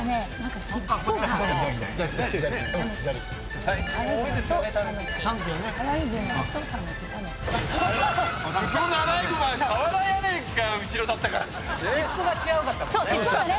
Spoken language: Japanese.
尻尾が違うかったもんね。